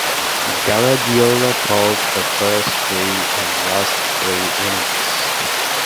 Garagiola called the first three and last three innings.